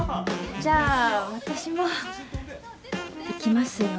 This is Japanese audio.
じゃあ私もいきますよ。